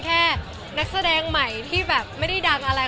๕คนอีกเดียวไปเลย